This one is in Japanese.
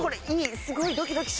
すごいドキドキする。